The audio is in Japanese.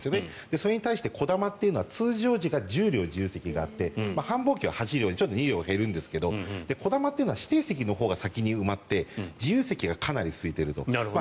それに対して、こだまというのは通常時が１０両、自由席があって繁忙期は８両で２両減るんですがこだまというのは指定席のほうが先に埋まって自由席がかなりすいていると。